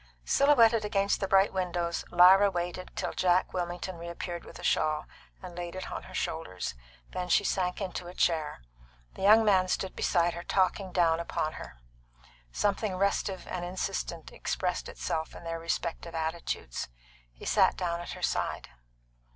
Silhouetted against the bright windows, Lyra waited till Jack Wilmington reappeared with a shawl and laid it on her shoulders. Then she sank into a chair. The young man stood beside her talking down upon her. Something restive and insistent expressed itself in their respective attitudes. He sat down at her side.